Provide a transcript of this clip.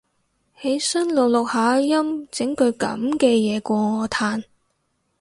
起身錄錄下音整句噉嘅嘢過我嘆